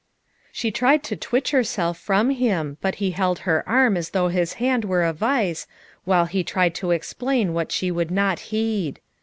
'' She tried to twitch herself from him but he held her arm as though his hand were a vise, while he tried to explain what she would not heed.